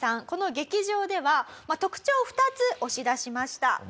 この劇場では特徴を２つ押し出しました。